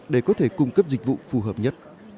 để có thể cung cấp dịch vụ phù hợp nhất